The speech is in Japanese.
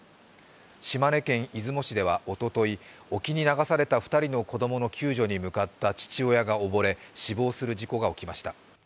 島根県出雲市ではおととい、沖に流された２人の子供の救助に向かった父親がおぼれ死亡する事故が起きました。